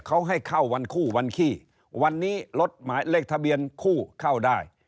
เขาให้เข้าวันคู่วันขี้วันนี้รถหมายเลขทะเบียนคู่เข้าได้